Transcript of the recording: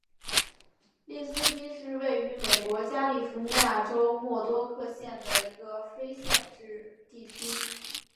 利斯基是位于美国加利福尼亚州莫多克县的一个非建制地区。